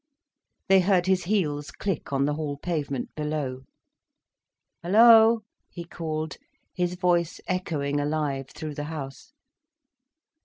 They heard his heels click on the hall pavement below. "Hello!" he called, his voice echoing alive through the house.